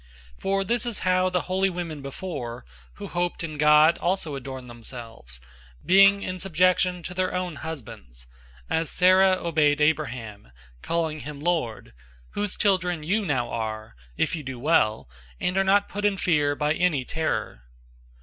003:005 For this is how the holy women before, who hoped in God also adorned themselves, being in subjection to their own husbands: 003:006 as Sarah obeyed Abraham, calling him lord, whose children you now are, if you do well, and are not put in fear by any terror.